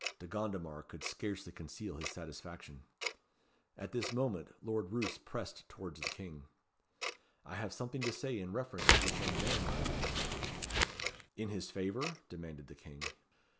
De Gondomar could scarcely conceal his satisfaction. At this moment Lord Roos pressed towards the King. "I have something to say in reference to this young man, my liege," he cried. "In his favour?" demanded the King.